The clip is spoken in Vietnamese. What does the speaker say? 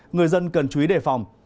người dân cần chú ý đề phòng